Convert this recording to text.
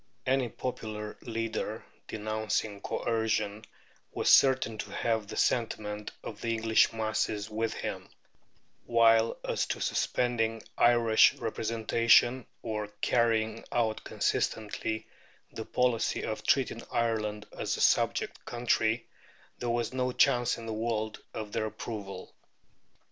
Any popular leader denouncing coercion was certain to have the sentiment of the English masses with him, while as to suspending Irish representation or carrying out consistently the policy of treating Ireland as a subject country, there was no chance in the world of their approval.